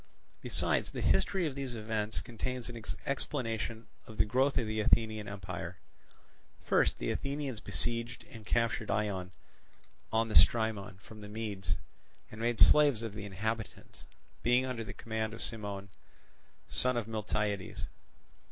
Besides, the history of these events contains an explanation of the growth of the Athenian empire. First the Athenians besieged and captured Eion on the Strymon from the Medes, and made slaves of the inhabitants, being under the command of Cimon, son of Miltiades.